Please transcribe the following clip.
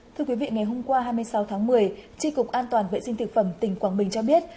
thưa quý vị ngày hôm qua hai mươi sáu tháng một mươi tri cục an toàn vệ sinh thực phẩm tỉnh quảng bình cho biết